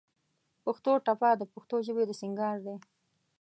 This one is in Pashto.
پښتو ټپه د پښتو ژبې د سينګار دى.